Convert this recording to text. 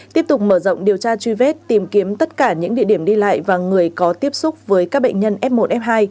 tiếp tục mở rộng điều tra truy vết tìm kiếm tất cả những địa điểm đi lại và người có tiếp xúc với các bệnh nhân f một f hai